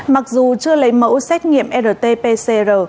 mặc dù chưa lấy mẫu xét nghiệm rt pcr